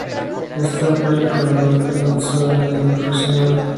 Esta fue la primera vez que lanzó de manera profesional.